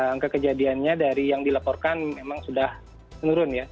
angka kejadiannya dari yang dilaporkan memang sudah menurun ya